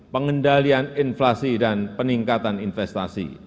pengendalian inflasi dan peningkatan investasi